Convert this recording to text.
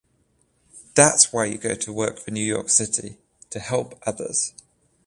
That’s why you go to work for New York City, to help others.